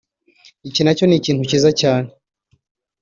Iki nacyo ni ikintu cyiza cyane